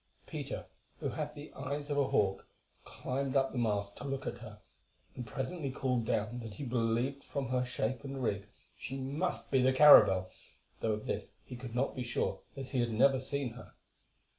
Peter, who had the eyes of a hawk, climbed up the mast to look at her, and presently called down that he believed from her shape and rig she must be the caravel, though of this he could not be sure as he had never seen her.